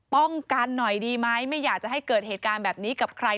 กันหน่อยดีไหมไม่อยากจะให้เกิดเหตุการณ์แบบนี้กับใคร